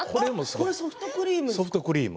これソフトクリーム。